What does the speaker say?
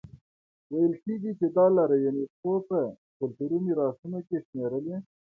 ویل کېږي چې دا لاره یونیسکو په کلتوري میراثونو کې شمېرلي.